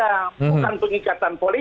bukan pengikatan politik